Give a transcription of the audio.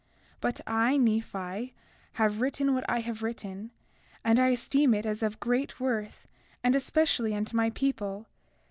33:3 But I, Nephi, have written what I have written, and I esteem it as of great worth, and especially unto my people.